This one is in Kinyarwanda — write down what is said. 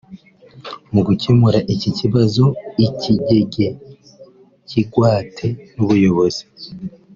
Mu gukemura iki kibazo ikigege cy’igwate n’ubuyobozi